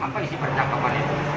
apa isi percakapan itu